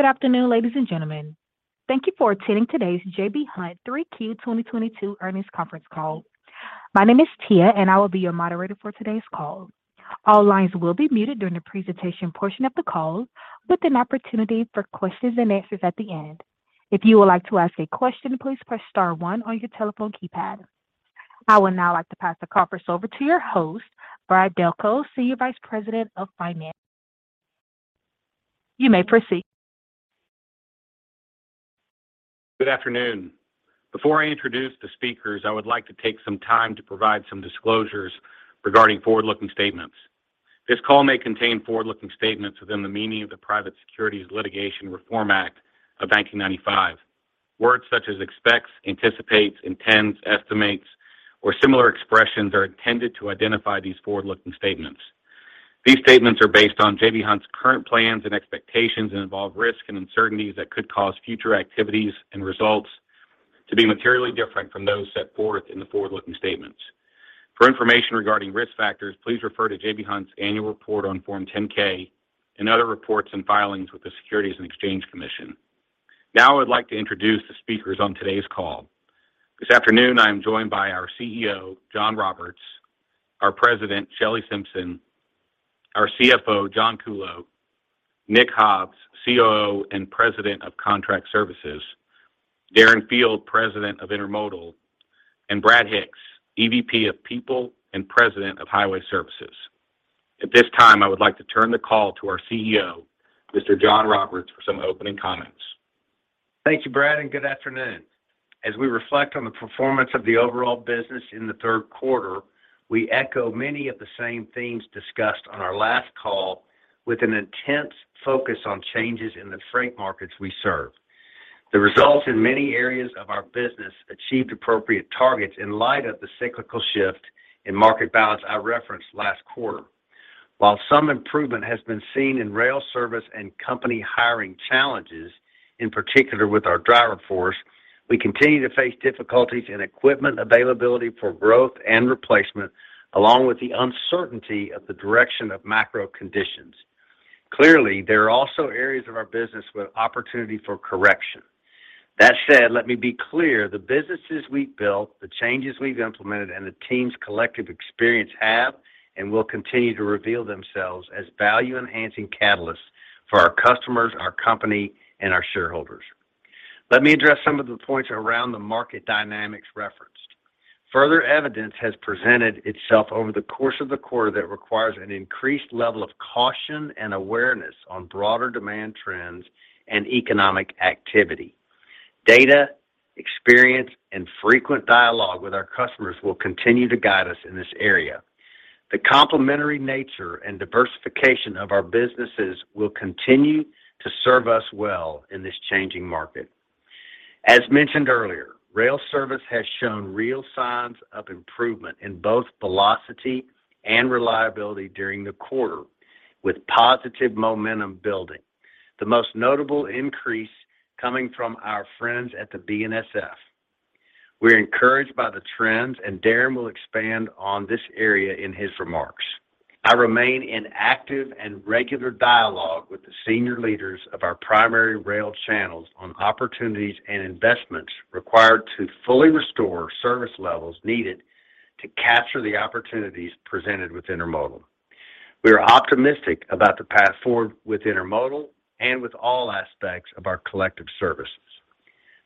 Good afternoon, ladies and gentlemen. Thank you for attending today's J.B. Hunt Q3 2022 Earnings Conference Call. My name is Tia, and I will be your moderator for today's call. All lines will be muted during the presentation portion of the call, with an opportunity for questions and answers at the end. If you would like to ask a question, please press star one on your telephone keypad. I would now like to pass the conference over to your host, Brad Delco, Senior Vice President of Finance. You may proceed. Good afternoon. Before I introduce the speakers, I would like to take some time to provide some disclosures regarding forward-looking statements. This call may contain forward-looking statements within the meaning of the Private Securities Litigation Reform Act of 1995. Words such as expects, anticipates, intends, estimates, or similar expressions are intended to identify these forward-looking statements. These statements are based on J.B. Hunt's current plans and expectations and involve risks and uncertainties that could cause future activities and results to be materially different from those set forth in the forward-looking statements. For information regarding risk factors, please refer to J.B. Hunt's annual report on Form 10-K and other reports and filings with the Securities and Exchange Commission. Now, I would like to introduce the speakers on today's call. This afternoon, I am joined by our CEO, John Roberts, our President, Shelley Simpson, our CFO, John Kuhlow, Nick Hobbs, COO and President of Contract Services, Darren Field, President of Intermodal, and Brad Hicks, EVP of People and President of Highway Services. At this time, I would like to turn the call to our CEO, Mr. John Roberts, for some opening comments. Thank you, Brad, and good afternoon. As we reflect on the performance of the overall business in the third quarter, we echo many of the same themes discussed on our last call with an intense focus on changes in the freight markets we serve. The results in many areas of our business achieved appropriate targets in light of the cyclical shift in market balance I referenced last quarter. While some improvement has been seen in rail service and company hiring challenges, in particular with our driver force, we continue to face difficulties in equipment availability for growth and replacement, along with the uncertainty of the direction of macro conditions. Clearly, there are also areas of our business with opportunity for correction. That said, let me be clear, the businesses we've built, the changes we've implemented, and the team's collective experience have and will continue to reveal themselves as value-enhancing catalysts for our customers, our company, and our shareholders. Let me address some of the points around the market dynamics referenced. Further evidence has presented itself over the course of the quarter that requires an increased level of caution and awareness on broader demand trends and economic activity. Data, experience, and frequent dialogue with our customers will continue to guide us in this area. The complementary nature and diversification of our businesses will continue to serve us well in this changing market. As mentioned earlier, rail service has shown real signs of improvement in both velocity and reliability during the quarter, with positive momentum building. The most notable increase coming from our friends at the BNSF. We're encouraged by the trends, and Darren will expand on this area in his remarks. I remain in active and regular dialogue with the senior leaders of our primary rail channels on opportunities and investments required to fully restore service levels needed to capture the opportunities presented with Intermodal. We are optimistic about the path forward with Intermodal and with all aspects of our collective services.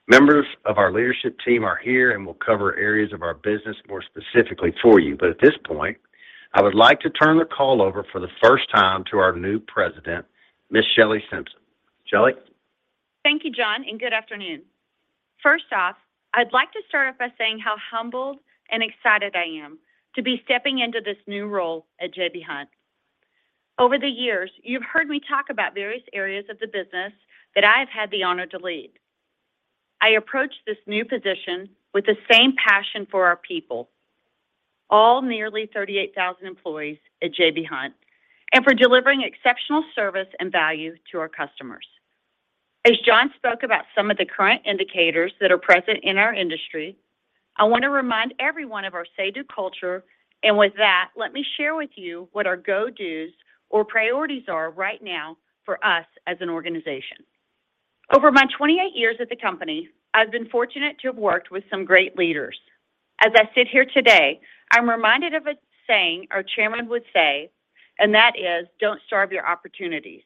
Members of our leadership team are here and will cover areas of our business more specifically for you. At this point, I would like to turn the call over for the first time to our new President, Ms. Shelley Simpson. Shelley? Thank you, John, and good afternoon. First off, I'd like to start off by saying how humbled and excited I am to be stepping into this new role at J.B. Hunt. Over the years, you've heard me talk about various areas of the business that I have had the honor to lead. I approach this new position with the same passion for our people, all nearly 38,000 employees at J.B. Hunt, and for delivering exceptional service and value to our customers. As John spoke about some of the current indicators that are present in our industry, I want to remind everyone of our say-do culture. With that, let me share with you what our go-dos or priorities are right now for us as an organization. Over my 28 years at the company, I've been fortunate to have worked with some great leaders. As I sit here today, I'm reminded of a saying our chairman would say, and that is, "Don't starve your opportunities."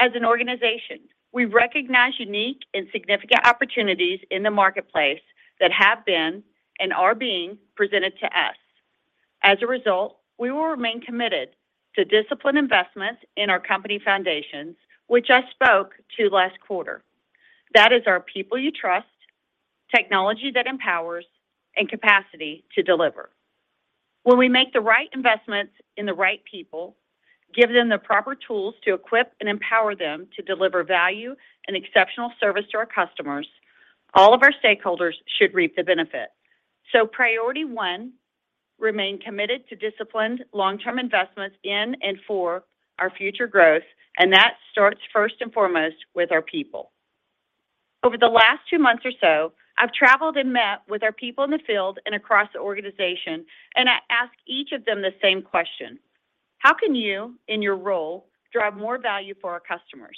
As an organization, we recognize unique and significant opportunities in the marketplace that have been and are being presented to us. As a result, we will remain committed to disciplined investments in our company foundations, which I spoke to last quarter. That is our people you trust, technology that empowers, and capacity to deliver. When we make the right investments in the right people, give them the proper tools to equip and empower them to deliver value and exceptional service to our customers, all of our stakeholders should reap the benefit. Priority one, remain committed to disciplined long-term investments in and for our future growth, and that starts first and foremost with our people. Over the last two months or so, I've traveled and met with our people in the field and across the organization, and I ask each of them the same question: how can you in your role drive more value for our customers?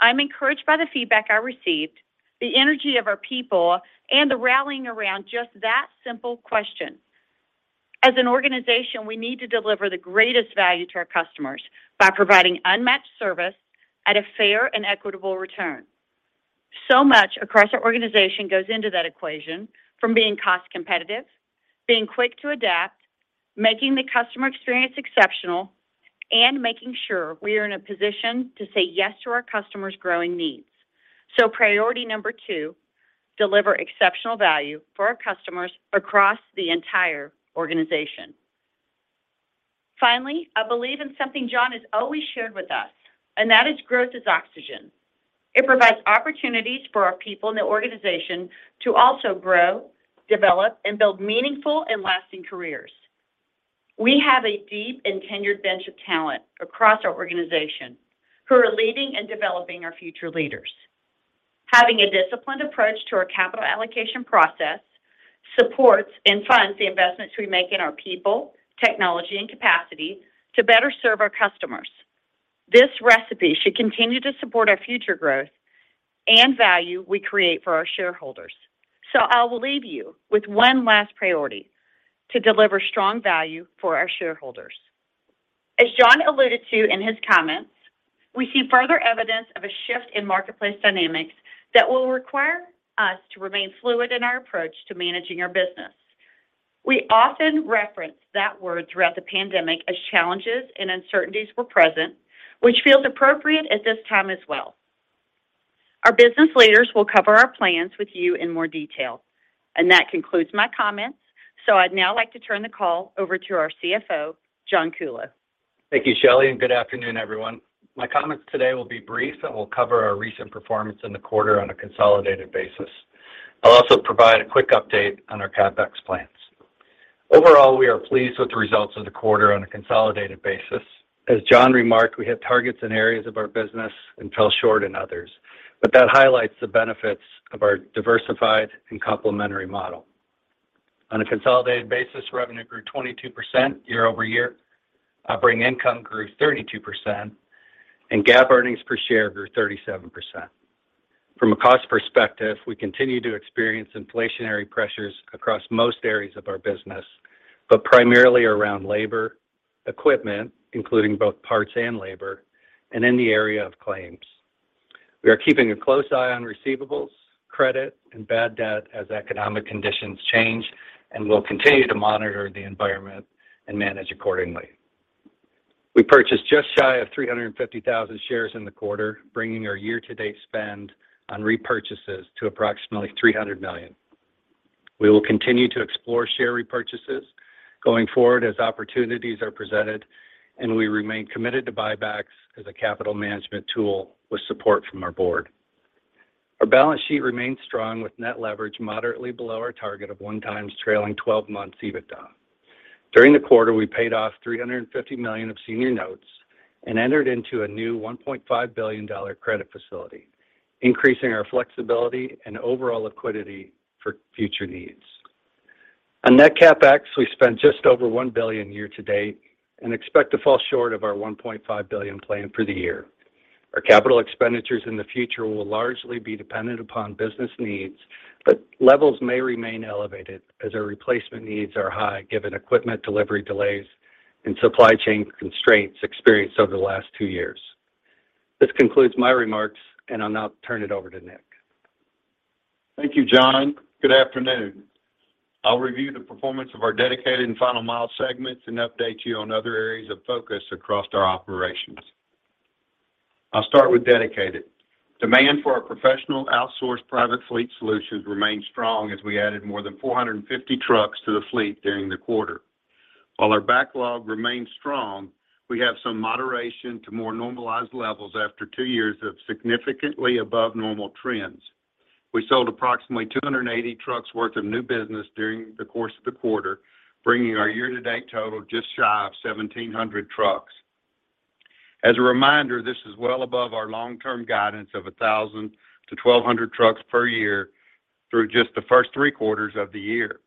I'm encouraged by the feedback I received, the energy of our people, and the rallying around just that simple question. As an organization, we need to deliver the greatest value to our customers by providing unmatched service at a fair and equitable return. Much across our organization goes into that equation from being cost-competitive, being quick to adapt, making the customer experience exceptional, and making sure we are in a position to say yes to our customers' growing needs. priority number 2, deliver exceptional value for our customers across the entire organization. Finally, I believe in something John has always shared with us, and that is growth is oxygen. It provides opportunities for our people in the organization to also grow, develop, and build meaningful and lasting careers. We have a deep and tenured bench of talent across our organization who are leading and developing our future leaders. Having a disciplined approach to our capital allocation process supports and funds the investments we make in our people, technology, and capacity to better serve our customers. This recipe should continue to support our future growth and value we create for our shareholders. I will leave you with one last priority, to deliver strong value for our shareholders. As John alluded to in his comments, we see further evidence of a shift in marketplace dynamics that will require us to remain fluid in our approach to managing our business. We often reference that word throughout the pandemic as challenges and uncertainties were present, which feels appropriate at this time as well. Our business leaders will cover our plans with you in more detail. That concludes my comments. I'd now like to turn the call over to our CFO, John Kuhlow. Thank you, Shelley, and good afternoon, everyone. My comments today will be brief, and will cover our recent performance in the quarter on a consolidated basis. I'll also provide a quick update on our CapEx plans. Overall, we are pleased with the results of the quarter on a consolidated basis. As John remarked, we hit targets in areas of our business and fell short in others, but that highlights the benefits of our diversified and complementary model. On a consolidated basis, revenue grew 22% year-over-year, operating income grew 32%, and GAAP earnings per share grew 37%. From a cost perspective, we continue to experience inflationary pressures across most areas of our business, but primarily around labor, equipment, including both parts and labor, and in the area of claims. We are keeping a close eye on receivables, credit, and bad debt as economic conditions change, and will continue to monitor the environment and manage accordingly. We purchased just shy of 350,000 shares in the quarter, bringing our year-to-date spend on repurchases to approximately $300 million. We will continue to explore share repurchases going forward as opportunities are presented, and we remain committed to buybacks as a capital management tool with support from our board. Our balance sheet remains strong with net leverage moderately below our target of 1x trailing twelve months EBITDA. During the quarter, we paid off $350 million of senior notes and entered into a new $1.5 billion credit facility, increasing our flexibility and overall liquidity for future needs. On net CapEx, we spent just over $1 billion year to date and expect to fall short of our $1.5 billion plan for the year. Our capital expenditures in the future will largely be dependent upon business needs, but levels may remain elevated as our replacement needs are high, given equipment delivery delays and supply chain constraints experienced over the last two years. This concludes my remarks, and I'll now turn it over to Nick. Thank you, John. Good afternoon. I'll review the performance of our Dedicated and Final Mile segments and update you on other areas of focus across our operations. I'll start with Dedicated. Demand for our professional outsourced private fleet solutions remained strong as we added more than 450 trucks to the fleet during the quarter. While our backlog remains strong, we have some moderation to more normalized levels after two years of significantly above normal trends. We sold approximately 280 trucks worth of new business during the course of the quarter, bringing our year-to-date total just shy of 1,700 trucks. As a reminder, this is well above our long-term guidance of 1,000–1,200 trucks per year through just the first three quarters of the year.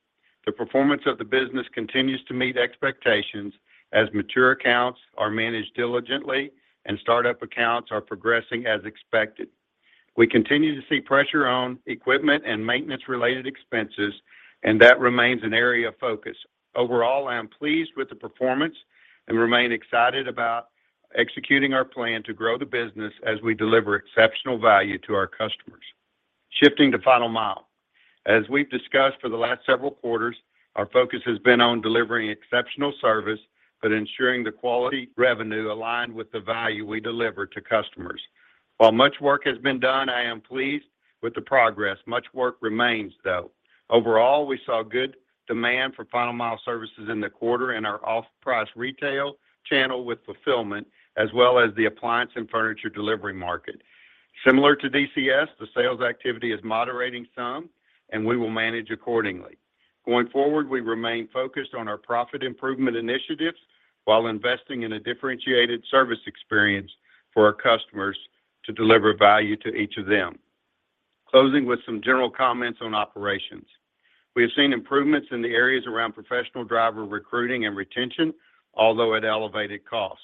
The performance of the business continues to meet expectations as mature accounts are managed diligently and startup accounts are progressing as expected. We continue to see pressure on equipment and maintenance-related expenses, and that remains an area of focus. Overall, I am pleased with the performance and remain excited about executing our plan to grow the business as we deliver exceptional value to our customers. Shifting to Final Mile Services. As we've discussed for the last several quarters, our focus has been on delivering exceptional service, but ensuring the quality revenue aligned with the value we deliver to customers. While much work has been done, I am pleased with the progress. Much work remains, though. Overall, we saw good demand for Final Mile Services in the quarter in our off-price retail channel with fulfillment, as well as the appliance and furniture delivery market. Similar to DCS, the sales activity is moderating some, and we will manage accordingly. Going forward, we remain focused on our profit improvement initiatives while investing in a differentiated service experience for our customers to deliver value to each of them. Closing with some general comments on operations. We have seen improvements in the areas around professional driver recruiting and retention, although at elevated cost.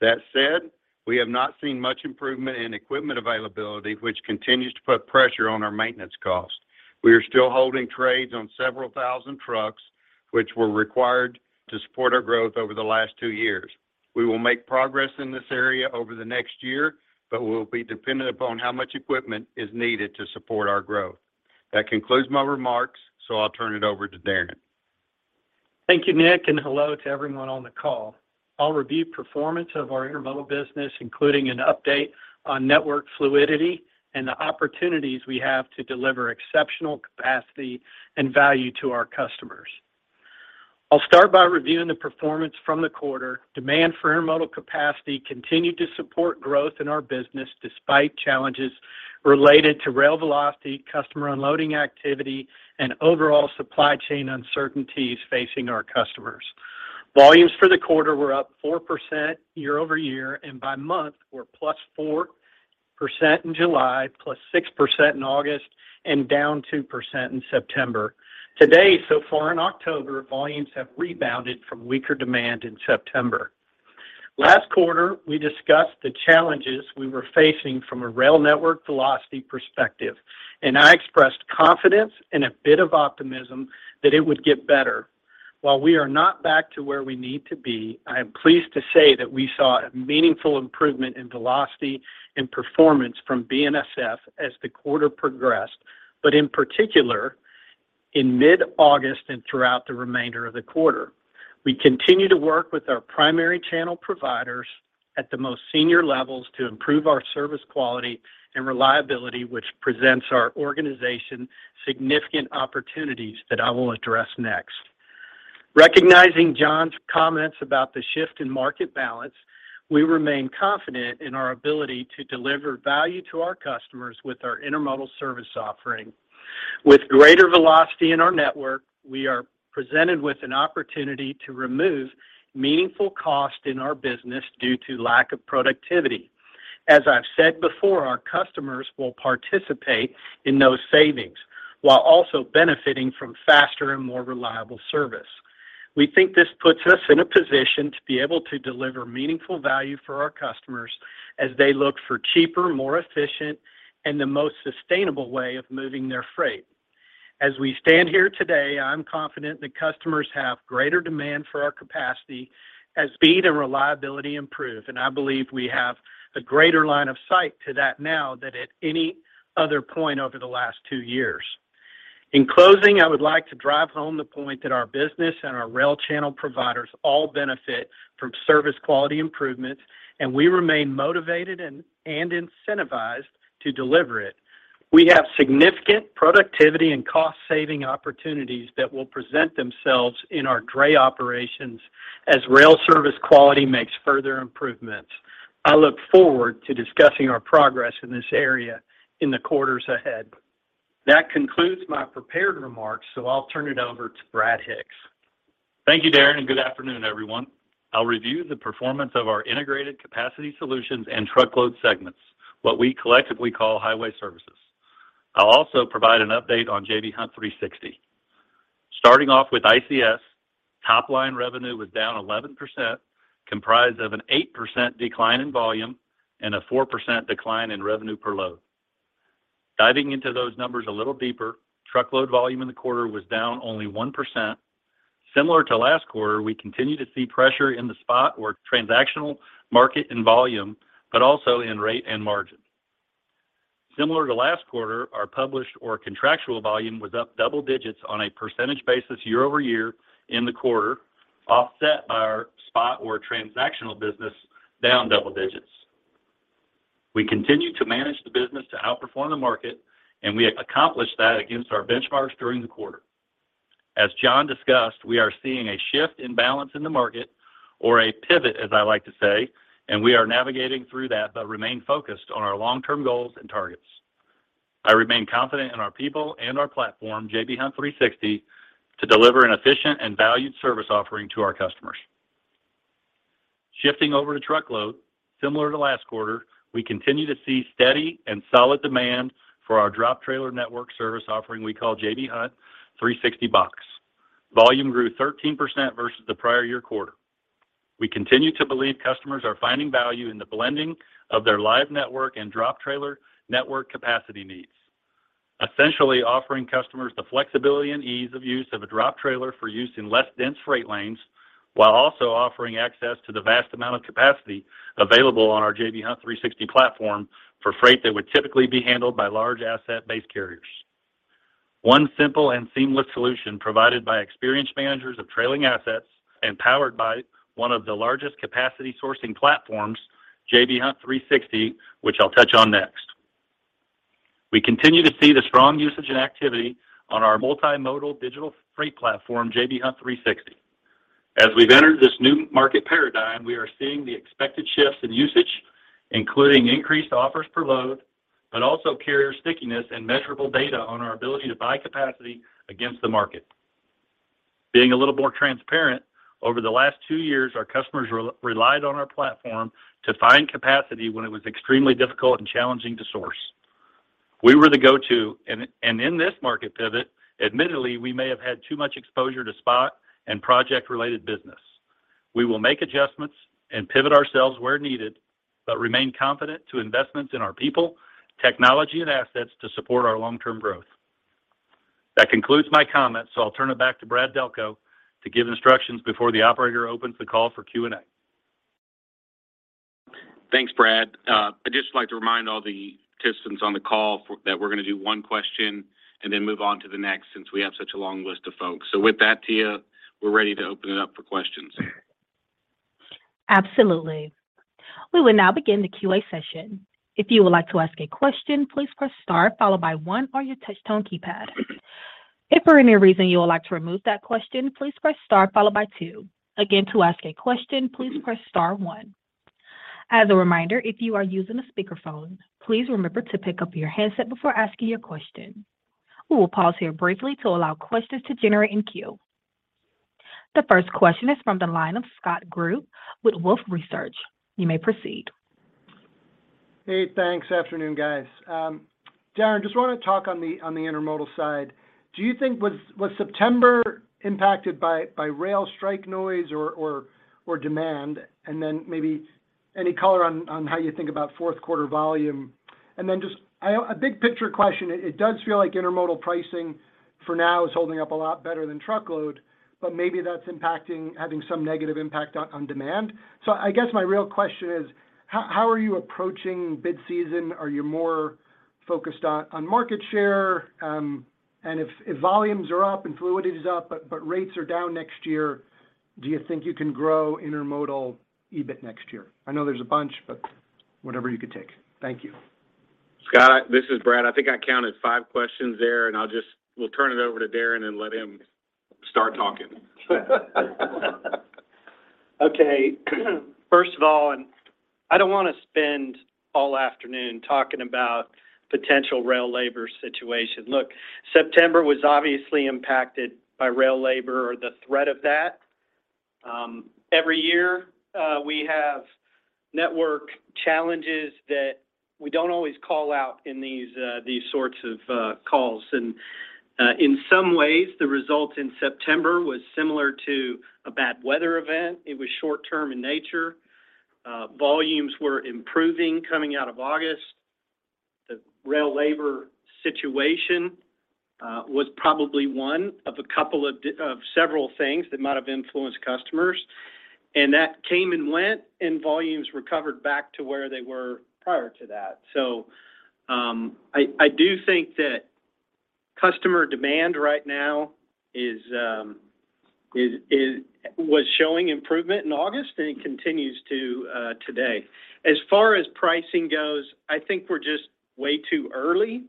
That said, we have not seen much improvement in equipment availability, which continues to put pressure on our maintenance costs. We are still holding trailers on several thousand trucks, which were required to support our growth over the last two years. We will make progress in this area over the next year, but we'll be dependent upon how much equipment is needed to support our growth. That concludes my remarks, so I'll turn it over to Darren. Thank you, Nick, and hello to everyone on the call. I'll review performance of our Intermodal business, including an update on network fluidity and the opportunities we have to deliver exceptional capacity and value to our customers. I'll start by reviewing the performance from the quarter. Demand for Intermodal capacity continued to support growth in our business despite challenges related to rail velocity, customer unloading activity, and overall supply chain uncertainties facing our customers. Volumes for the quarter were up 4% year-over-year, and by month were +4% in July, +6% in August, and -2% in September. Today, so far in October, volumes have rebounded from weaker demand in September. Last quarter, we discussed the challenges we were facing from a rail network velocity perspective, and I expressed confidence and a bit of optimism that it would get better. While we are not back to where we need to be, I am pleased to say that we saw a meaningful improvement in velocity and performance from BNSF as the quarter progressed, in particular, in mid-August and throughout the remainder of the quarter. We continue to work with our primary channel providers at the most senior levels to improve our service quality and reliability, which presents our organization significant opportunities that I will address next. Recognizing John's comments about the shift in market balance, we remain confident in our ability to deliver value to our customers with our Intermodal service offering. With greater velocity in our network, we are presented with an opportunity to remove meaningful cost in our business due to lack of productivity. As I've said before, our customers will participate in those savings while also benefiting from faster and more reliable service. We think this puts us in a position to be able to deliver meaningful value for our customers as they look for cheaper, more efficient, and the most sustainable way of moving their freight. As we stand here today, I'm confident that customers have greater demand for our capacity as speed and reliability improve, and I believe we have a greater line of sight to that now than at any other point over the last two years. In closing, I would like to drive home the point that our business and our rail channel providers all benefit from service quality improvements, and we remain motivated and incentivized to deliver it. We have significant productivity and cost-saving opportunities that will present themselves in our dray operations as rail service quality makes further improvements. I look forward to discussing our progress in this area in the quarters ahead. That concludes my prepared remarks, so I'll turn it over to Brad Hicks. Thank you, Darren, and good afternoon, everyone. I'll review the performance of our Integrated Capacity Solutions and Truckload segments, what we collectively call Highway Services. I'll also provide an update on J.B. Hunt 360. Starting off with ICS, top-line revenue was down 11%, comprised of an 8% decline in volume and a 4% decline in revenue per load. Diving into those numbers a little deeper, truckload volume in the quarter was down only 1%. Similar to last quarter, we continue to see pressure in the spot or transactional market in volume, but also in rate and margin. Similar to last quarter, our published or contractual volume was up double digits on a percentage basis year-over-year in the quarter, offset by our spot or transactional business down double digits. We continue to manage the business to outperform the market, and we have accomplished that against our benchmarks during the quarter. As John discussed, we are seeing a shift in balance in the market or a pivot, as I like to say, and we are navigating through that, but remain focused on our long-term goals and targets. I remain confident in our people and our platform, J.B. Hunt 360, to deliver an efficient and valued service offering to our customers. Shifting over to Truckload, similar to last quarter, we continue to see steady and solid demand for our drop trailer network service offering we call J.B. Hunt 360box. Volume grew 13% versus the prior year quarter. We continue to believe customers are finding value in the blending of their live network and drop trailer network capacity needs. Essentially offering customers the flexibility and ease of use of a drop trailer for use in less dense freight lanes, while also offering access to the vast amount of capacity available on our J.B. Hunt 360 platform for freight that would typically be handled by large asset-based carriers. One simple and seamless solution provided by experienced managers of trailer assets and powered by one of the largest capacity sourcing platforms, J.B. Hunt 360, which I'll touch on next. We continue to see the strong usage and activity on our multimodal digital freight platform, J.B. Hunt 360. As we've entered this new market paradigm, we are seeing the expected shifts in usage, including increased offers per load, but also carrier stickiness and measurable data on our ability to buy capacity against the market. Being a little more transparent, over the last two years, our customers relied on our platform to find capacity when it was extremely difficult and challenging to source. We were the go-to, and in this market pivot, admittedly, we may have had too much exposure to spot and project-related business. We will make adjustments and pivot ourselves where needed, but remain confident to investments in our people, technology and assets to support our long-term growth. That concludes my comments, so I'll turn it back to Brad Delco to give instructions before the operator opens the call for Q&A. Thanks, Brad. I'd just like to remind all the participants on the call that we're gonna do one question and then move on to the next since we have such a long list of folks. With that, Tia, we're ready to open it up for questions. Absolutely. We will now begin the Q&A session. If you would like to ask a question, please press star followed by one on your touch-tone keypad. If for any reason you would like to remove that question, please press star followed by two. Again, to ask a question, please press star one. As a reminder, if you are using a speakerphone, please remember to pick up your headset before asking your question. We will pause here briefly to allow questions to generate in queue. The first question is from the line of Scott Group with Wolfe Research. You may proceed. Hey, thanks. Afternoon, guys. Darren, just want to talk on the intermodal side. Do you think September was impacted by rail strike noise or demand? Maybe any color on how you think about fourth quarter volume. Just a big picture question. It does feel like intermodal pricing for now is holding up a lot better than truckload, but maybe that's impacting, having some negative impact on demand. I guess my real question is, how are you approaching bid season? Are you more focused on market share? If volumes are up and fluidity is up, but rates are down next year, do you think you can grow intermodal EBIT next year? I know there's a bunch, but whatever you could take. Thank you. Scott, this is Brad. I think I counted 5 questions there, and I'll just we'll turn it over to Darren and let him start talking. Okay. First of all, I don't want to spend all afternoon talking about potential rail labor situation. Look, September was obviously impacted by rail labor or the threat of that. Every year, we have network challenges that we don't always call out in these sorts of calls. In some ways, the results in September was similar to a bad weather event. It was short-term in nature. Volumes were improving coming out of August. The rail labor situation was probably one of several things that might have influenced customers. That came and went, and volumes recovered back to where they were prior to that. I do think that customer demand right now was showing improvement in August, and it continues to today. As far as pricing goes, I think we're just way too early,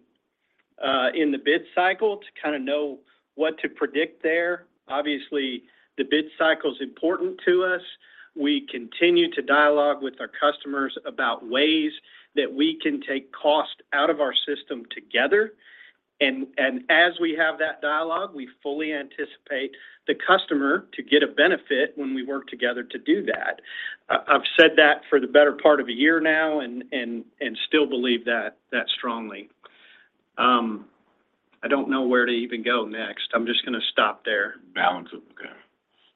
in the bid cycle to kind of know what to predict there. Obviously, the bid cycle is important to us. We continue to dialogue with our customers about ways that we can take cost out of our system together. As we have that dialogue, we fully anticipate the customer to get a benefit when we work together to do that. I've said that for the better part of a year now and still believe that strongly. I don't know where to even go next. I'm just gonna stop there. Balance it. Okay.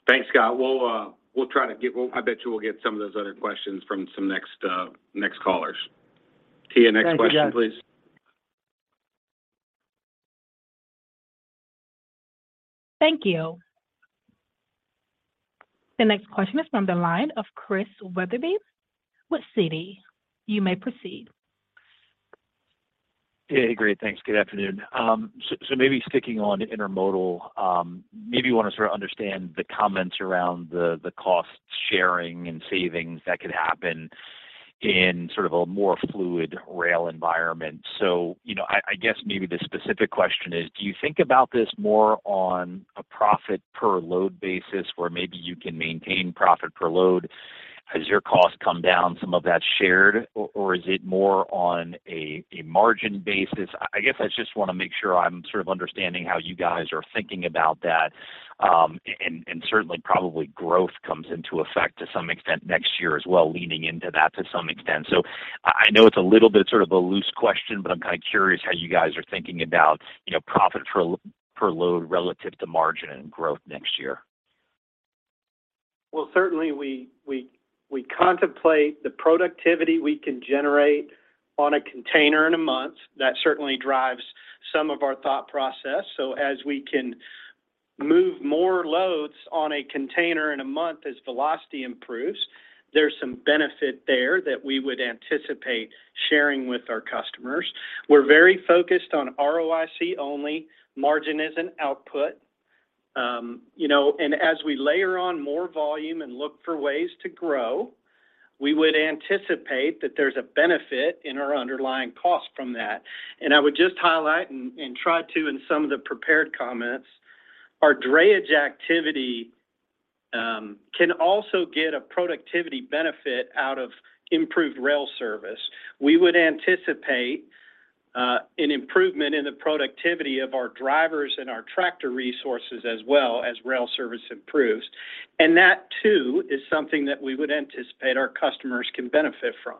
Thanks, Scott. I bet you we'll get some of those other questions from some next callers. Tia, next question, please. Thank you, guys. Thank you. The next question is from the line of Christian Wetherbee with Citi. You may proceed. Hey, great. Thanks. Good afternoon. So maybe sticking on to Intermodal, maybe want to sort of understand the comments around the cost sharing and savings that could happen in sort of a more fluid rail environment. You know, I guess maybe the specific question is, do you think about this more on a profit per load basis where maybe you can maintain profit per load as your costs come down, some of that's shared? Or is it more on a margin basis? I guess I just want to make sure I'm sort of understanding how you guys are thinking about that. And certainly probably growth comes into effect to some extent next year as well, leaning into that to some extent. I know it's a little bit sort of a loose question, but I'm kind of curious how you guys are thinking about, you know, profit per load relative to margin and growth next year? Well, certainly we contemplate the productivity we can generate on a container in a month. That certainly drives some of our thought process. As we can move more loads on a container in a month as velocity improves, there's some benefit there that we would anticipate sharing with our customers. We're very focused on ROIC only. Margin is an output. You know, as we layer on more volume and look for ways to grow. We would anticipate that there's a benefit in our underlying cost from that. I would just highlight and try to, in some of the prepared comments, ourdrayage activity can also get a productivity benefit out of improved rail service. We would anticipate an improvement in the productivity of our drivers and our tractor resources as rail service improves. That too is something that we would anticipate our customers can benefit from.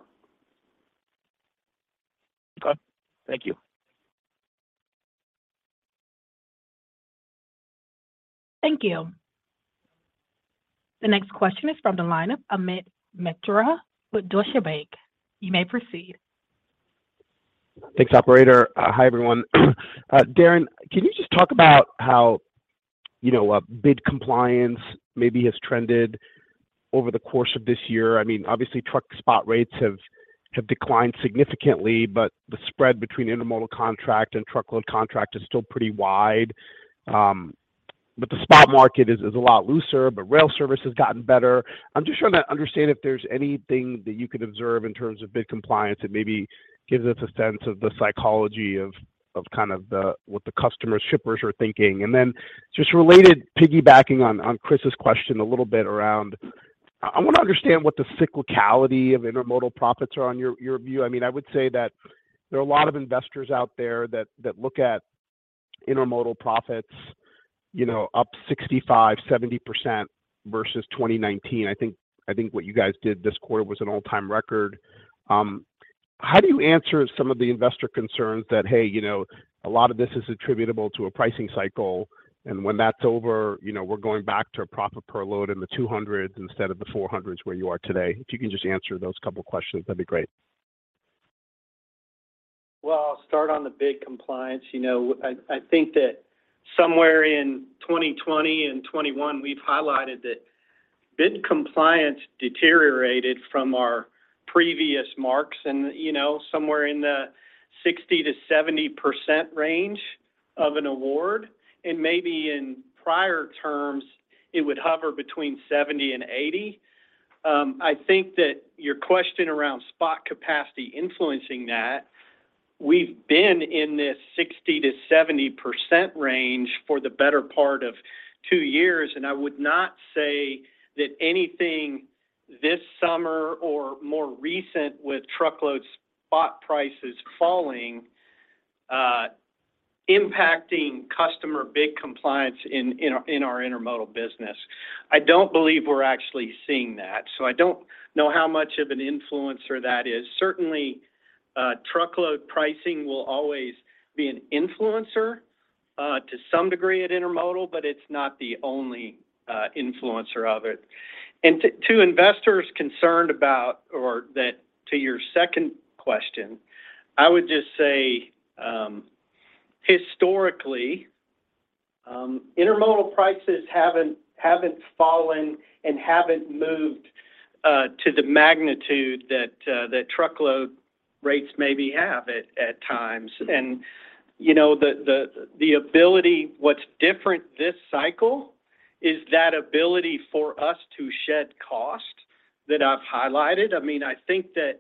Okay. Thank you. Thank you. The next question is from the line of Amit Mehrotra with Deutsche Bank. You may proceed. Thanks, operator. Hi, everyone. Darren, can you just talk about how, you know, bid compliance maybe has trended over the course of this year? I mean, obviously, truck spot rates have declined significantly, but the spread between intermodal contract and truckload contract is still pretty wide. But the spot market is a lot looser, but rail service has gotten better. I'm just trying to understand if there's anything that you could observe in terms of bid compliance that maybe gives us a sense of the psychology of kind of what the customers, shippers are thinking. Then just related piggybacking on Chris's question a little bit around, I want to understand what the cyclicality of intermodal profits are on your view. I mean, I would say that there are a lot of investors out there that look at intermodal profits, you know, up 65%–70% versus 2019. I think what you guys did this quarter was an all-time record. How do you answer some of the investor concerns that, hey, you know, a lot of this is attributable to a pricing cycle, and when that's over, you know, we're going back to a profit per load in the $200s instead of the $400s where you are today? If you can just answer those couple questions, that'd be great. Well, I'll start on the bid compliance. You know, I think that somewhere in 2020 and 2021, we've highlighted that bid compliance deteriorated from our previous marks and, you know, somewhere in the 60%–70% range of an award, and maybe in prior terms, it would hover between 70% and 80%. I think that your question around spot capacity influencing that within their 60–70% range for the better part of two years, and I would not say that anything this summer or more recent with truckload spot prices falling, impacting customer bid compliance in our intermodal business. I don't believe we're actually seeing that, so I don't know how much of an influencer that is. Certainly, Truckload pricing will always be an influencer to some degree at Intermodal, but it's not the only influencer of it. To investors concerned about or that to your second question, I would just say, historically, Intermodal prices haven't fallen and haven't moved to the magnitude that Truckload rates maybe have at times. You know, what's different this cycle is that ability for us to shed cost that I've highlighted. I mean, I think that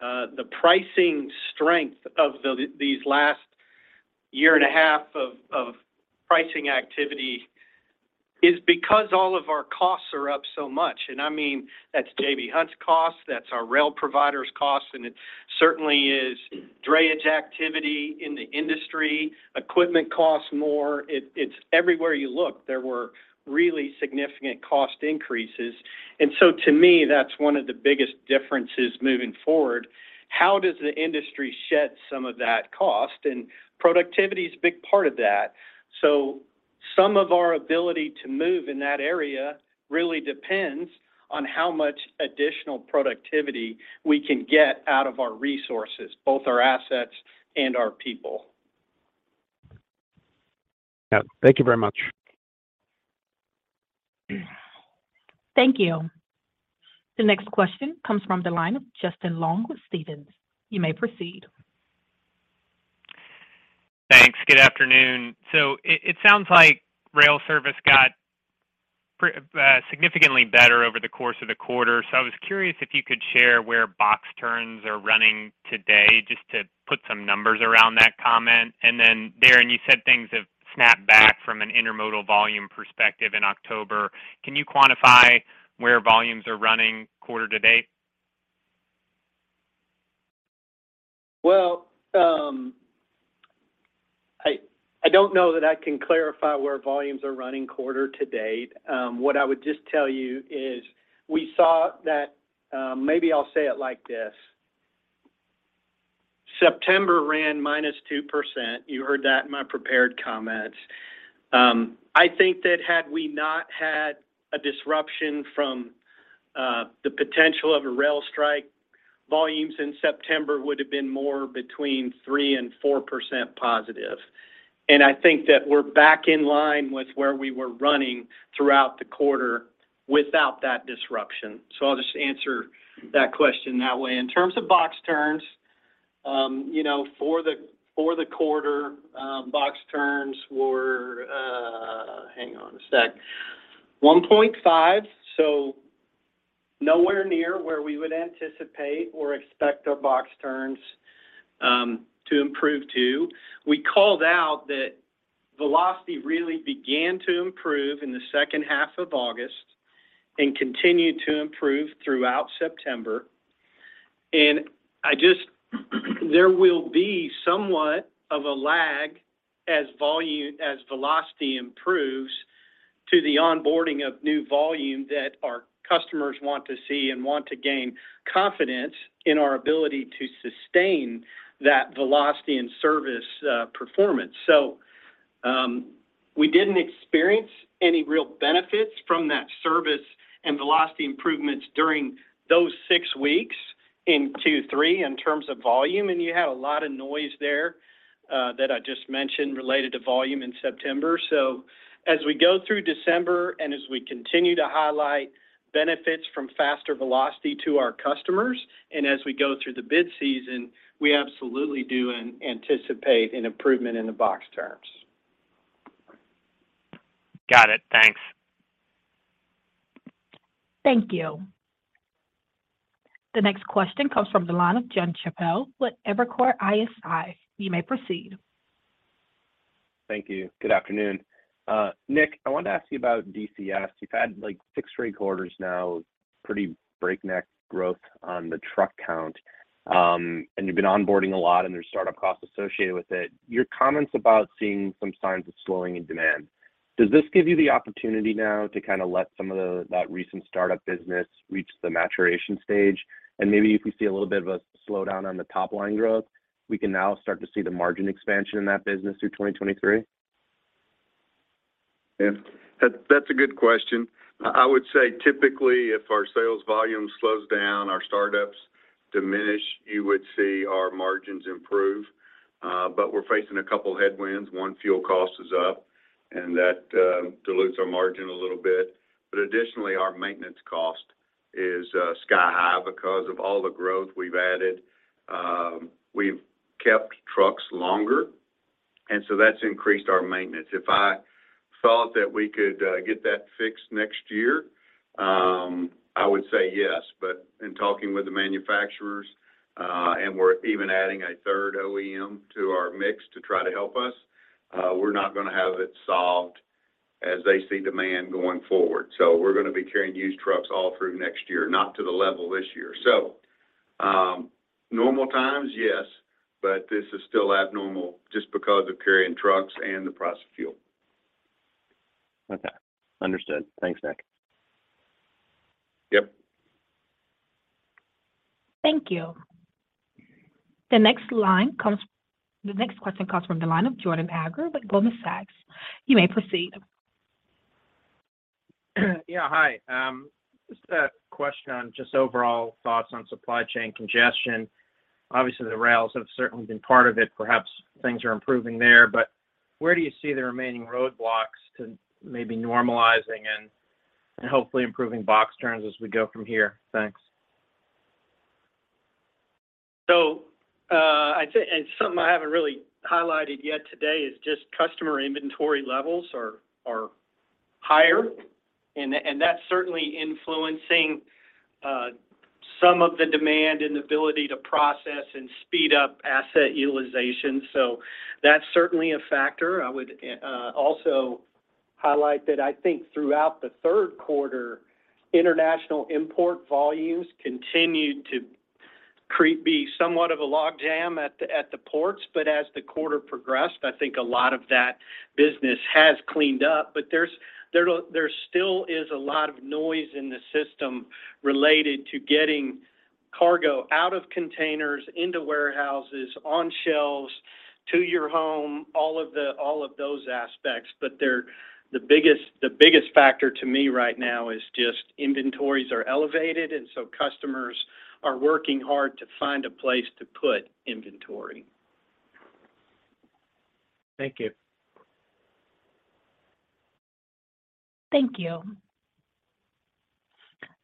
the pricing strength of these last year and a half of pricing activity is because all of our costs are up so much. I mean, that's J.B. Hunt's cost, that's our rail provider's cost, and it certainly isdrayage activity in the industry. Equipment costs more. It's everywhere you look, there were really significant cost increases. To me, that's one of the biggest differences moving forward. How does the industry shed some of that cost? Productivity is a big part of that. Some of our ability to move in that area really depends on how much additional productivity we can get out of our resources, both our assets and our people. Yeah. Thank you very much. Thank you. The next question comes from the line of Justin Long with Stephens. You may proceed. Thanks. Good afternoon. It sounds like rail service got significantly better over the course of the quarter. I was curious if you could share where box turns are running today, just to put some numbers around that comment. Then, Darren, you said things have snapped back from an Intermodal volume perspective in October. Can you quantify where volumes are running quarter to date? Well, I don't know that I can clarify where volumes are running quarter to date. What I would just tell you is we saw that. Maybe I'll say it like this. September ran -2%. You heard that in my prepared comments. I think that had we not had a disruption from the potential of a rail strike, volumes in September would have been more between 3%–4% positive. I think that we're back in line with where we were running throughout the quarter without that disruption. I'll just answer that question that way. In terms of box turns, you know, for the quarter, box turns were, hang on a sec. 1.5, so nowhere near where we would anticipate or expect our box turns to improve to. We called out that velocity really began to improve in the second half of August and continued to improve throughout September. There will be somewhat of a lag as velocity improves to the onboarding of new volume that our customers want to see and want to gain confidence in our ability to sustain that velocity and service performance. We didn't experience any real benefits from that service and velocity improvements during those six weeks in Q3 in terms of volume, and you had a lot of noise there that I just mentioned related to volume in September. As we go through December, and as we continue to highlight benefits from faster velocity to our customers, and as we go through the bid season, we absolutely do anticipate an improvement in the box turns. Got it. Thanks. Thank you. The next question comes from the line of Jon Chappell with Evercore ISI. You may proceed. Thank you. Good afternoon. Nick, I wanted to ask you about DCS. You've had, like, six straight quarters now, pretty breakneck growth on the truck count. You've been onboarding a lot, and there's startup costs associated with it. Your comments about seeing some signs of slowing in demand, does this give you the opportunity now to kind of let some of the recent startup business reach the maturation stage? Maybe if we see a little bit of a slowdown on the top-line growth, we can now start to see the margin expansion in that business through 2023? Yeah. That's a good question. I would say typically if our sales volume slows down, our startups diminish, you would see our margins improve. We're facing a couple headwinds. One, fuel cost is up, and that dilutes our margin a little bit. Additionally, our maintenance cost is sky high because of all the growth we've added. We've kept trucks longer, and so that's increased our maintenance. If I thought that we could get that fixed next year, I would say yes. In talking with the manufacturers, and we're even adding a third OEM to our mix to try to help us, we're not gonna have it solved as they see demand going forward. We're gonna be carrying used trucks all through next year, not to the level this year. Normal times, yes, but this is still abnormal just because of carrying trucks and the price of fuel. Okay. Understood. Thanks, Nick. Yep. Thank you. The next question comes from the line of Jordan Alliger with Goldman Sachs. You may proceed. Yeah. Hi. Just a question on just overall thoughts on supply chain congestion. Obviously, the rails have certainly been part of it. Perhaps things are improving there, but where do you see the remaining roadblocks to maybe normalizing and hopefully improving box turns as we go from here? Thanks. I'd say something I haven't really highlighted yet today is just customer inventory levels are higher and that's certainly influencing some of the demand and ability to process and speed up asset utilization. That's certainly a factor. I would also highlight that I think throughout the third quarter, international import volumes continued to be somewhat of a log jam at the ports. But as the quarter progressed, I think a lot of that business has cleaned up. But there's still a lot of noise in the system related to getting cargo out of containers, into warehouses, on shelves, to your home, all of those aspects. The biggest factor to me right now is just inventories are elevated, and so customers are working hard to find a place to put inventory. Thank you. Thank you.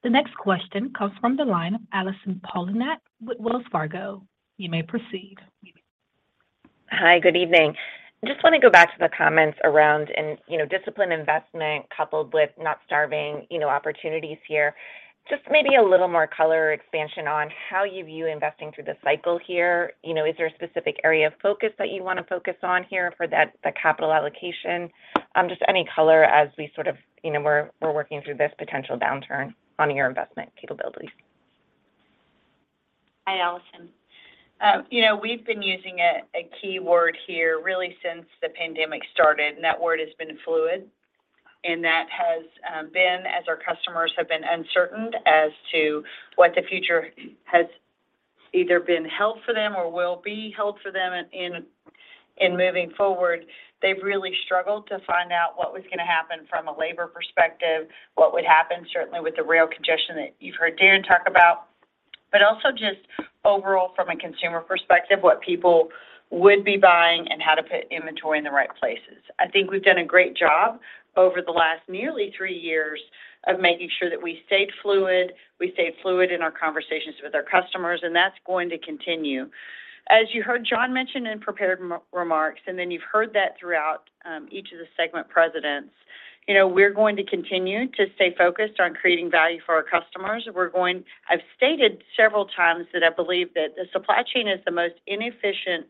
The next question comes from the line of Allison Poliniak with Wells Fargo. You may proceed. Hi. Good evening. Just want to go back to the comments around and, you know, disciplined investment coupled with not starving, you know, opportunities here. Just maybe a little more color expansion on how you view investing through this cycle here. You know, is there a specific area of focus that you want to focus on here for that, the capital allocation? Just any color as we sort of, you know, we're working through this potential downturn on your investment capabilities. Hi, Allison. You know, we've been using a key word here really since the pandemic started, and that word has been fluid. That has been, as our customers have been uncertain as to what the future has either been held for them or will be held for them in moving forward. They've really struggled to find out what was gonna happen from a labor perspective, what would happen certainly with the rail congestion that you've heard Darren talk about. Also just overall from a consumer perspective, what people would be buying and how to put inventory in the right places. I think we've done a great job over the last nearly three years of making sure that we stayed fluid, we stayed fluid in our conversations with our customers, and that's going to continue. As you heard John mention in prepared remarks, and then you've heard that throughout, each of the segment presidents, you know, we're going to continue to stay focused on creating value for our customers. I've stated several times that I believe that the supply chain is the most inefficient,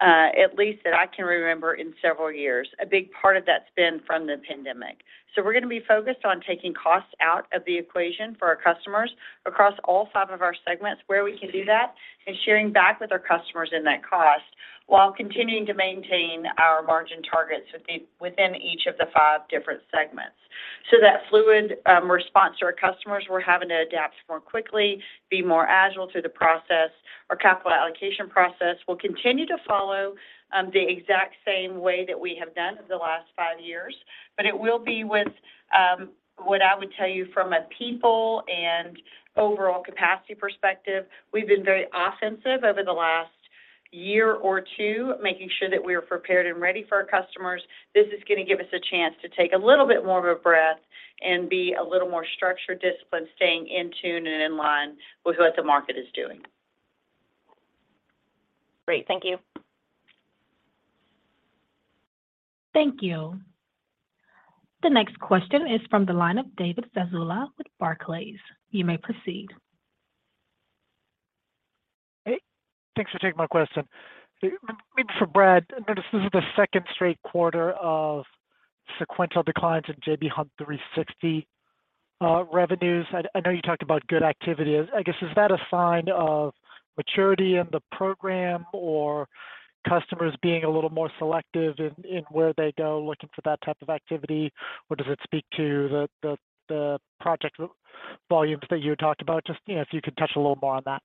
at least that I can remember in several years. A big part of that's been from the pandemic. We're gonna be focused on taking costs out of the equation for our customers across all five of our segments where we can do that, and sharing back with our customers in that cost while continuing to maintain our margin targets within each of the five different segments. That fluid response to our customers, we're having to adapt more quickly, be more agile through the process. Our capital allocation process will continue to follow the exact same way that we have done over the last five years. It will be with what I would tell you from a people and overall capacity perspective. We've been very offensive over the last year or two, making sure that we are prepared and ready for our customers. This is gonna give us a chance to take a little bit more of a breath and be a little more structured, disciplined, staying in tune and in line with what the market is doing. Great. Thank you. Thank you. The next question is from the line of David Zazula with Barclays. You may proceed. Hey, thanks for taking my question. Maybe for Brad, I notice this is the second straight quarter of sequential declines in J.B. Hunt 360 revenues. I know you talked about good activity. I guess, is that a sign of maturity in the program or customers being a little more selective in where they go looking for that type of activity? Or does it speak to the project volumes that you had talked about? Just, you know, if you could touch a little more on that.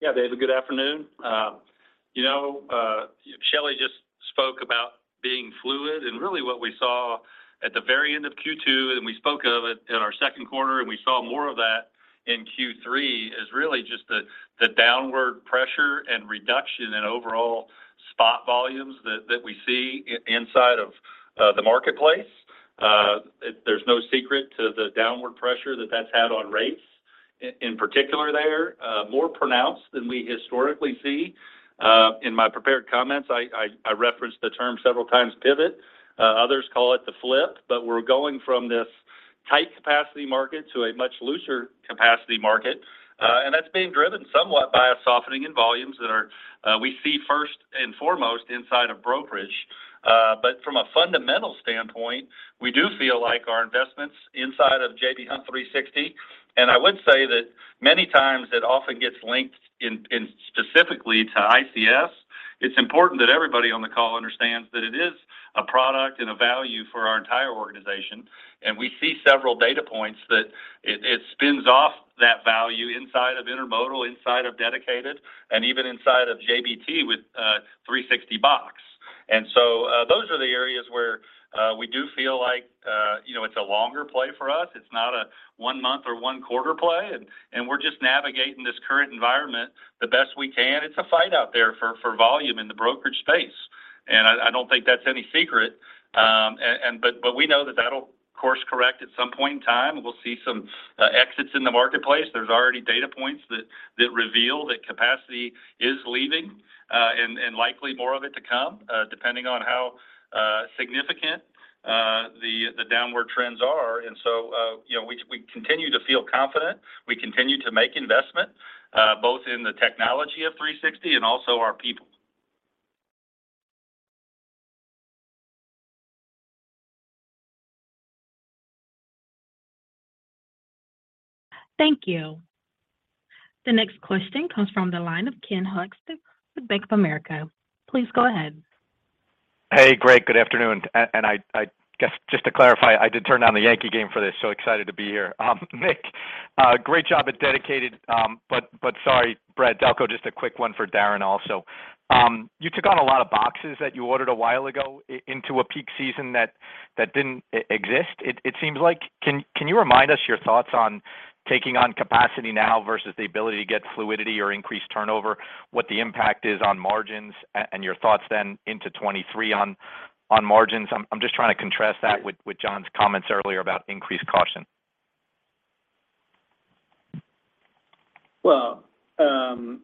Yeah, David Zazula, good afternoon. You know, Shelley Simpson just spoke about being fluid. Really what we saw at the very end of Q2, and we spoke of it in our second quarter, and we saw more of that in Q3, is really just the downward pressure and reduction in overall spot volumes that we see inside of the marketplace. There's no secret to the downward pressure that that's had on rates. In particular there, more pronounced than we historically see. In my prepared comments, I referenced the term several times, pivot. Others call it the flip. We're going from this tight capacity market to a much looser capacity market, and that's being driven somewhat by a softening in volumes that we see first and foremost inside of brokerage. From a fundamental standpoint, we do feel like our investments inside of J.B. Hunt 360, and I would say that many times it often gets linked in specifically to ICS. It's important that everybody on the call understands that it is a product and a value for our entire organization, and we see several data points that it spins off that value inside of intermodal, inside of dedicated, and even inside of JBT with 360box. Those are the areas where we do feel like you know, it's a longer play for us. It's not a one-month or one-quarter play, and we're just navigating this current environment the best we can. It's a fight out there for volume in the brokerage space, and I don't think that's any secret. We know that that'll course correct at some point in time. We'll see some exits in the marketplace. There's already data points that reveal that capacity is leaving, and likely more of it to come, depending on how significant the downward trends are. You know, we continue to feel confident. We continue to make investment both in the technology of 360 and also our people. Thank you. The next question comes from the line of Ken Hoexter with Bank of America. Please go ahead. Hey, great. Good afternoon. I guess just to clarify, I did turn on the Yankee game for this, so excited to be here. Nick, great job at Dedicated. Sorry, Brad Delco, just a quick one for Darren also. You took on a lot of boxes that you ordered a while ago into a peak season that didn't exist, it seems like. Can you remind us your thoughts on taking on capacity now versus the ability to get fluidity or increased turnover, what the impact is on margins and your thoughts then into 2023 on margins? I'm just trying to contrast that with John's comments earlier about increased caution. Well, certainly,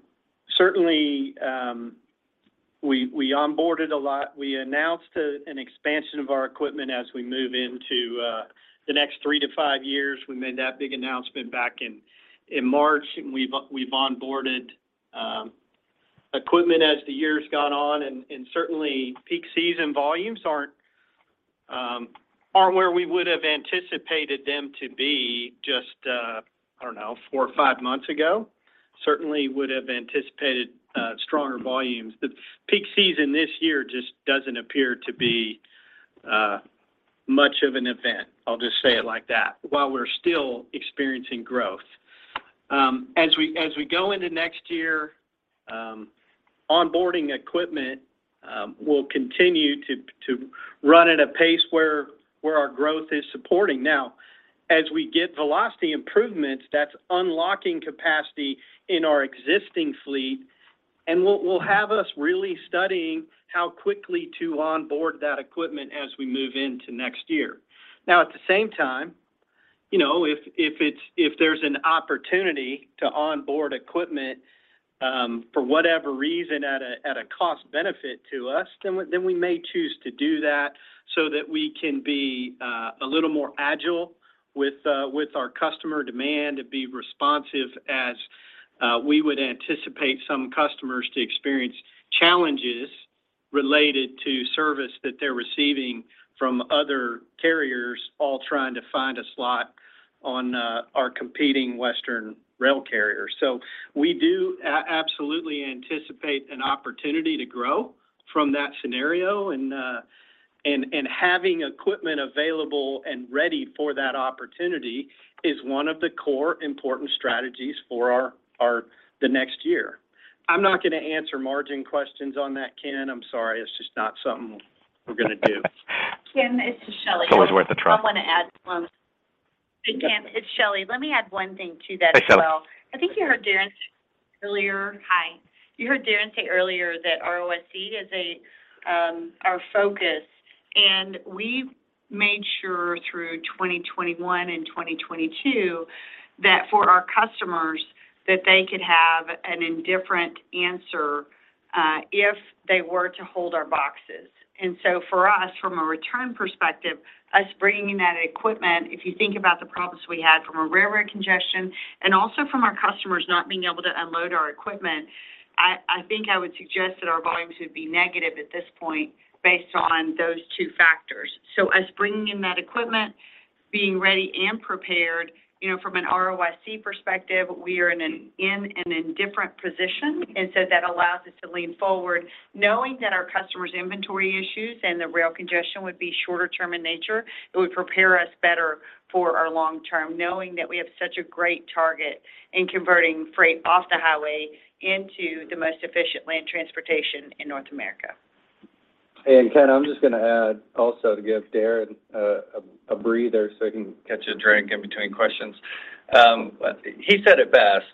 we onboarded a lot. We announced an expansion of our equipment as we move into the next 3–5 years. We made that big announcement back in March, and we've onboarded equipment as the years gone on. Certainly peak season volumes aren't where we would have anticipated them to be just I don't know, 4 or 5 months ago. Certainly would have anticipated stronger volumes. The peak season this year just doesn't appear to be much of an event. I'll just say it like that, while we're still experiencing growth. As we go into next year, onboarding equipment will continue to run at a pace where our growth is supporting. Now, as we get velocity improvements, that's unlocking capacity in our existing fleet and will have us really studying how quickly to onboard that equipment as we move into next year. Now, at the same time You know, if there's an opportunity to onboard equipment, for whatever reason at a cost benefit to us, then we may choose to do that so that we can be a little more agile with our customer demand and be responsive as we would anticipate some customers to experience challenges related to service that they're receiving from other carriers all trying to find a slot on our competing Western rail carrier. We do absolutely anticipate an opportunity to grow from that scenario, and having equipment available and ready for that opportunity is one of the core important strategies for the next year. I'm not gonna answer margin questions on that, Ken. I'm sorry. It's just not something we're gonna do. Ken, it's Shelley. It's always worth a try. Hey, Ken. It's Shelley. Let me add one thing to that as well. Hey, Shelley. I think you heard Darren earlier. Hi. You heard Darren say earlier that ROIC is our focus. We've made sure through 2021 and 2022 that for our customers that they could have an indifferent answer, if they were to hold our boxes. For us, from a return perspective, us bringing that equipment, if you think about the problems we had from a railroad congestion and also from our customers not being able to unload our equipment, I think I would suggest that our volumes would be negative at this point based on those two factors. Us bringing in that equipment, being ready and prepared, you know, from an ROIC perspective, we are in an indifferent position, and so that allows us to lean forward knowing that our customers' inventory issues and the rail congestion would be shorter term in nature. It would prepare us better for our long term, knowing that we have such a great target in converting freight off the highway into the most efficient land transportation in North America. Ken, I'm just gonna add also to give Darren a breather so he can catch a drink in between questions. He said it best.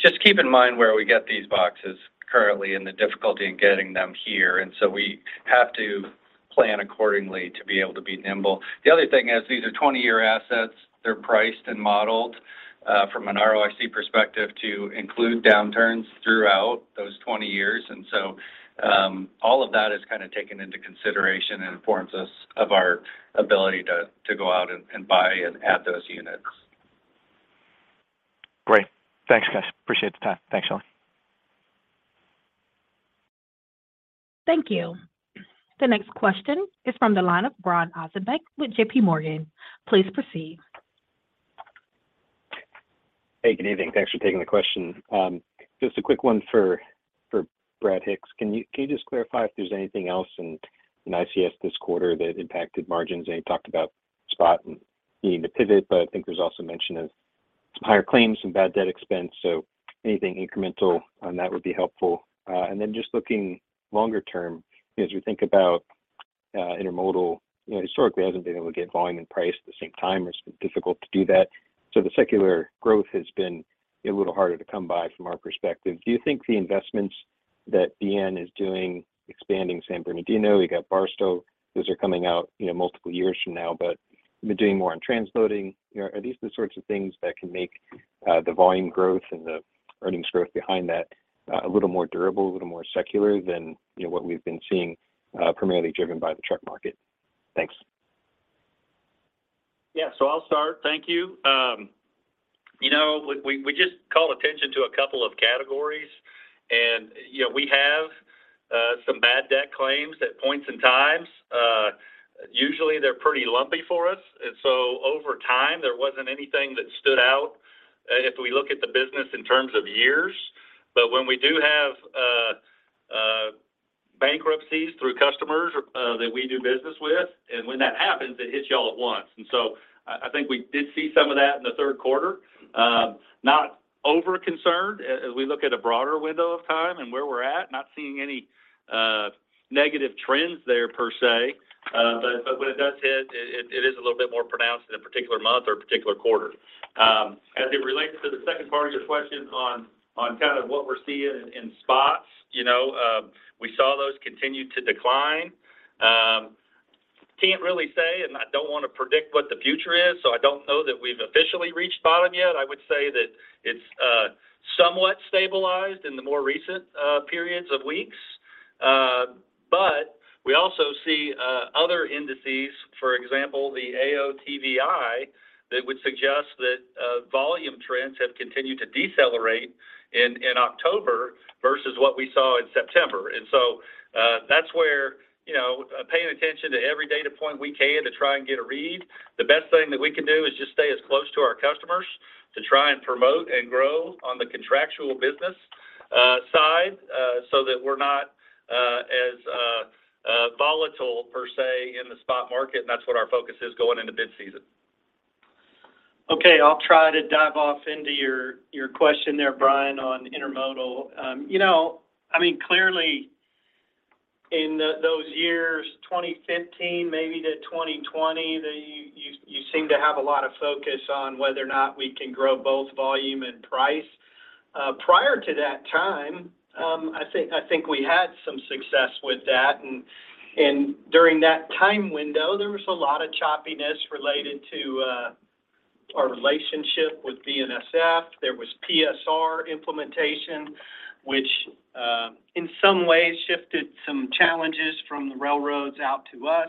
Just keep in mind where we get these boxes currently and the difficulty in getting them here. We have to plan accordingly to be able to be nimble. The other thing is these are 20-year assets. They're priced and modeled from an ROIC perspective to include downturns throughout those 20 years. All of that is kind of taken into consideration and informs us of our ability to go out and buy and add those units. Great. Thanks, guys. Appreciate the time. Thanks, Shelley. Thank you. The next question is from the line of Brian Ossenbeck with JPMorgan. Please proceed. Hey, good evening. Thanks for taking the question. Just a quick one for Brad Hicks. Can you just clarify if there's anything else in ICS this quarter that impacted margins? I know you talked about spot and needing to pivot, but I think there's also mention of some higher claims, some bad debt expense. Anything incremental on that would be helpful. Just looking longer term, as we think about intermodal, you know, historically, hasn't been able to get volume and price at the same time. It's difficult to do that. The secular growth has been a little harder to come by from our perspective. Do you think the investments that BNSF is doing expanding San Bernardino, we got Barstow, those are coming out, you know, multiple years from now, but we've been doing more on transloading. You know, are these the sorts of things that can make the volume growth and the earnings growth behind that a little more durable, a little more secular than, you know, what we've been seeing, primarily driven by the truck market? Thanks. Yeah. I'll start. Thank you. You know, we just call attention to a couple of categories. You know, we have some bad debt claims at points in time. Usually they're pretty lumpy for us. Over time, there wasn't anything that stood out if we look at the business in terms of years. But when we do have bankruptcies through customers that we do business with, and when that happens, it hits you all at once. I think we did see some of that in the third quarter. Not overly concerned as we look at a broader window of time and where we're at, not seeing any negative trends there per se. It is a little bit more pronounced in a particular month or a particular quarter. As it relates to the second part of your question on kind of what we're seeing in spots, you know, we saw those continue to decline. Can't really say, I don't want to predict what the future is, I don't know that we've officially reached bottom yet. I would say that it's somewhat stabilized in the more recent periods of weeks. We also see other indices, for example, the OTVI, that would suggest that volume trends have continued to decelerate in October versus what we saw in September. That's where, you know, paying attention to every data point we can to try and get a read. The best thing that we can do is just stay as close to our customers to try and promote and grow on the contractual business side, so that we're not as volatile per se in the spot market, and that's what our focus is going into bid season. Okay. I'll try to dive into your question there, Brian, on Intermodal. You know, I mean, clearly in those years, 2015 maybe to 2020, you seem to have a lot of focus on whether or not we can grow both volume and price. Prior to that time, I think we had some success with that. And during that time window, there was a lot of choppiness related to our relationship with BNSF. There was PSR implementation, which in some ways shifted some challenges from the railroads out to us.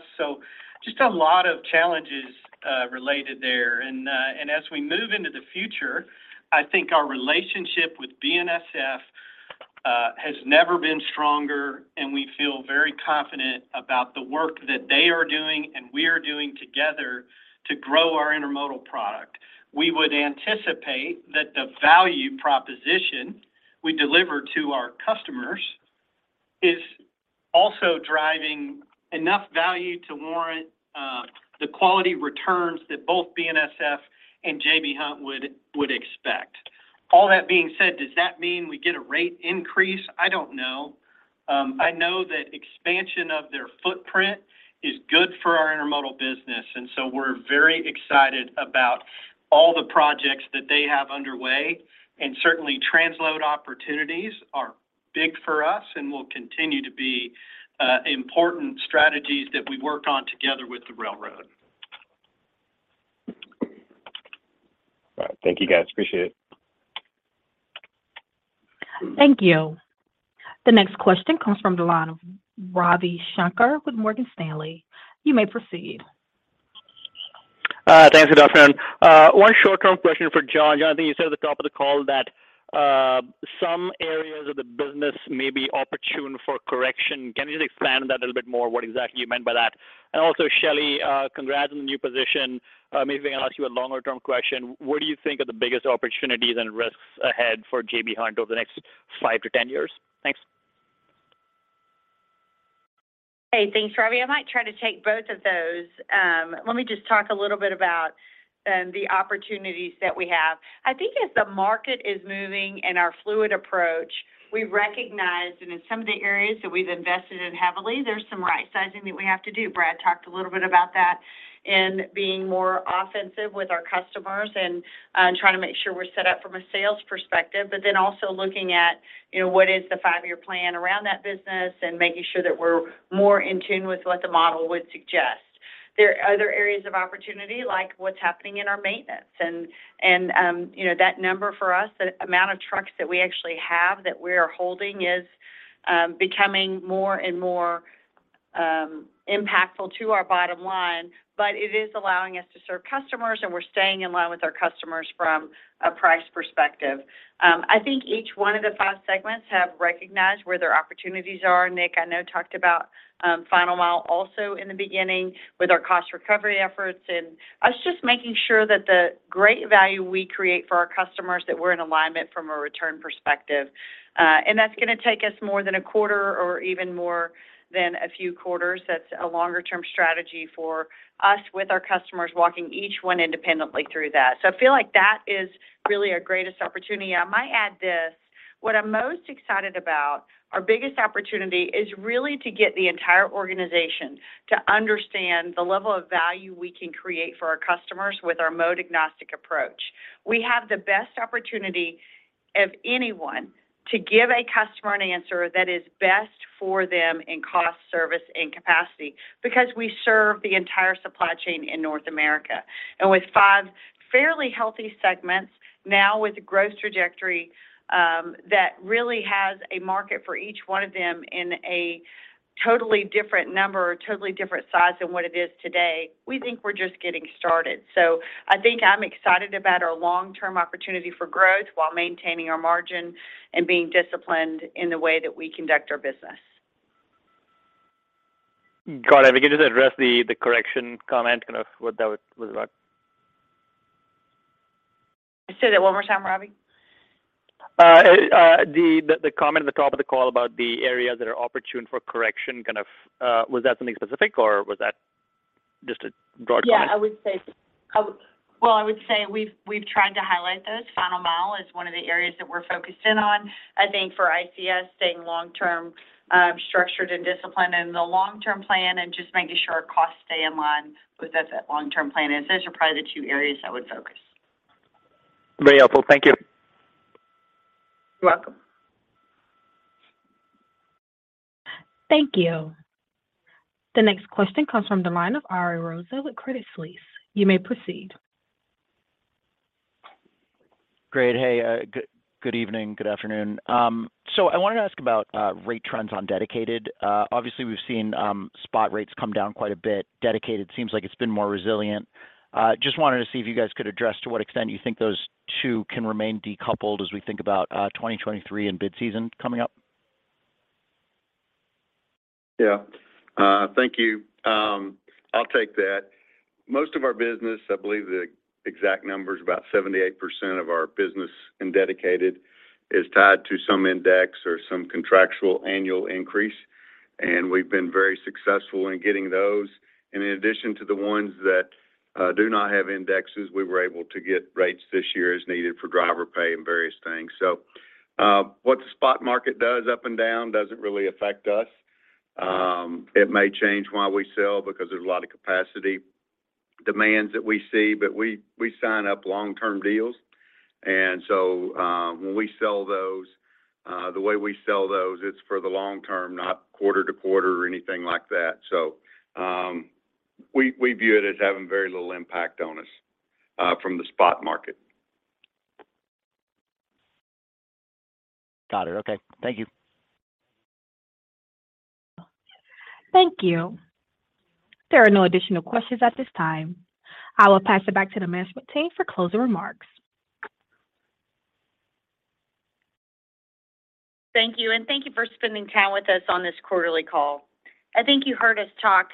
Just a lot of challenges related there. As we move into the future, I think our relationship with BNSF has never been stronger, and we feel very confident about the work that they are doing and we are doing together to grow our intermodal product. We would anticipate that the value proposition we deliver to our customers is also driving enough value to warrant the quality returns that both BNSF and J.B. Hunt would expect. All that being said, does that mean we get a rate increase? I don't know. I know that expansion of their footprint is good for our intermodal business, so we're very excited about all the projects that they have underway. Certainly transload opportunities are big for us and will continue to be important strategies that we work on together with the railroad. All right. Thank you, guys. Appreciate it. Thank you. The next question comes from the line of Ravi Shanker with Morgan Stanley. You may proceed. Thanks for the question. One short-term question for John. John, I think you said at the top of the call that some areas of the business may be opportune for correction. Can you just expand on that a little bit more, what exactly you meant by that? Also, Shelley, congrats on the new position. Maybe I'll ask you a longer-term question. What do you think are the biggest opportunities and risks ahead for J.B. Hunt over the next 5-10 years? Thanks. Hey, thanks, Ravi. I might try to take both of those. Let me just talk a little bit about the opportunities that we have. I think as the market is moving and our fluid approach, we recognize, and in some of the areas that we've invested in heavily, there's some rightsizing that we have to do. Brad talked a little bit about that in being more offensive with our customers and trying to make sure we're set up from a sales perspective, but then also looking at, you know, what is the five-year plan around that business and making sure that we're more in tune with what the model would suggest. There are other areas of opportunity, like what's happening in our maintenance. You know, that number for us, the amount of trucks that we actually have that we are holding is becoming more and more impactful to our bottom line. It is allowing us to serve customers, and we're staying in line with our customers from a price perspective. I think each one of the five segments have recognized where their opportunities are. Nick, I know, talked about Final Mile also in the beginning with our cost recovery efforts. Us just making sure that the great value we create for our customers, that we're in alignment from a return perspective. That's going to take us more than a quarter or even more than a few quarters. That's a longer term strategy for us with our customers, walking each one independently through that. I feel like that is really our greatest opportunity. I might add this. What I'm most excited about, our biggest opportunity is really to get the entire organization to understand the level of value we can create for our customers with our mode-agnostic approach. We have the best opportunity of anyone to give a customer an answer that is best for them in cost, service, and capacity because we serve the entire supply chain in North America. With five fairly healthy segments now with growth trajectory, that really has a market for each one of them in a totally different number or totally different size than what it is today, we think we're just getting started. I think I'm excited about our long-term opportunity for growth while maintaining our margin and being disciplined in the way that we conduct our business. Got it. If you could just address the correction comment, kind of what that was about. Say that one more time, Ravi. The comment at the top of the call about the areas that are opportune for correction, kind of, was that something specific or was that just a broad comment? Yeah, I would say. Well, I would say we've tried to highlight those. Final Mile is one of the areas that we're focused in on. I think for ICS, staying long-term, structured and disciplined in the long-term plan and just making sure our costs stay in line with that long-term plan. Those are probably the two areas I would focus. Very helpful. Thank you. You're welcome. Thank you. The next question comes from the line of Ariel As-sa with Credit Suisse. You may proceed. Great. Hey, good evening, good afternoon. I wanted to ask about rate trends on dedicated. Obviously, we've seen spot rates come down quite a bit. Dedicated seems like it's been more resilient. Just wanted to see if you guys could address to what extent you think those two can remain decoupled as we think about 2023 and bid season coming up. Yeah. Thank you. I'll take that. Most of our business, I believe the exact number is about 78% of our business in dedicated, is tied to some index or some contractual annual increase, and we've been very successful in getting those. In addition to the ones that do not have indexes, we were able to get rates this year as needed for driver pay and various things. What the spot market does up and down doesn't really affect us. It may change why we sell because there's a lot of capacity Demands that we see, but we sign up long-term deals. When we sell those, the way we sell those, it's for the long term, not quarter to quarter or anything like that. We view it as having very little impact on us from the spot market. Got it. Okay. Thank you. Thank you. There are no additional questions at this time. I will pass it back to the management team for closing remarks. Thank you, and thank you for spending time with us on this quarterly call. I think you heard us talk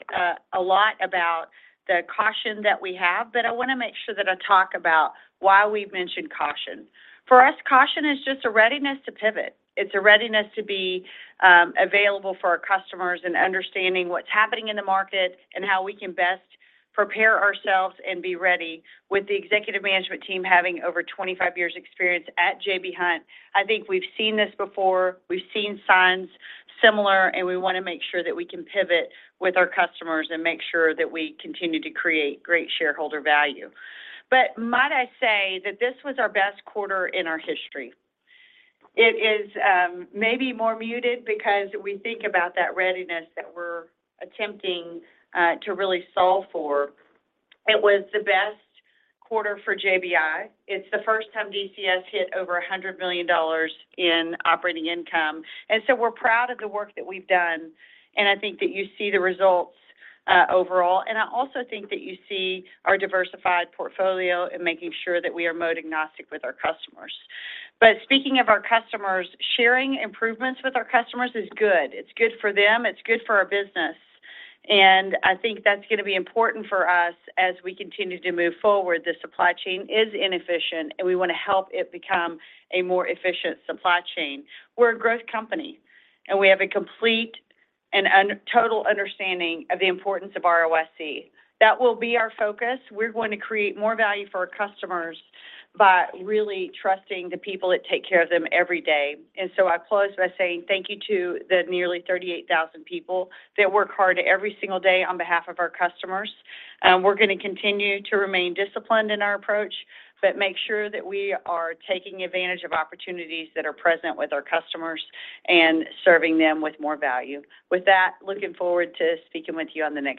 a lot about the caution that we have, but I want to make sure that I talk about why we've mentioned caution. For us, caution is just a readiness to pivot. It's a readiness to be available for our customers and understanding what's happening in the market and how we can best prepare ourselves and be ready. With the executive management team having over 25 years experience at J.B. Hunt, I think we've seen this before. We've seen signs similar, and we want to make sure that we can pivot with our customers and make sure that we continue to create great shareholder value. Might I say that this was our best quarter in our history. It is maybe more muted because we think about that readiness that we're attempting to really solve for. It was the best quarter for JBI. It's the first time DCS hit over $100 million in operating income. We're proud of the work that we've done, and I think that you see the results overall. I also think that you see our diversified portfolio and making sure that we are mode agnostic with our customers. Speaking of our customers, sharing improvements with our customers is good. It's good for them, it's good for our business. I think that's gonna be important for us as we continue to move forward. The supply chain is inefficient, and we want to help it become a more efficient supply chain. We're a growth company, and we have a complete and total understanding of the importance of ROIC. That will be our focus. We're going to create more value for our customers by really trusting the people that take care of them every day. I close by saying thank you to the nearly 38,000 people that work hard every single day on behalf of our customers. We're gonna continue to remain disciplined in our approach, but make sure that we are taking advantage of opportunities that are present with our customers and serving them with more value. With that, looking forward to speaking with you on the next call.